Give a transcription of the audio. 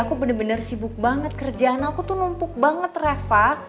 aku bener bener sibuk banget kerjaan aku tuh numpuk banget rafa